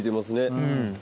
うん。